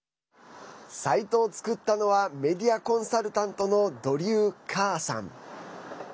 サイトを作ったのはメディアコンサルタントのドリュー・カーさん。